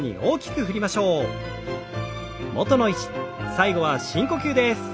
最後は深呼吸です。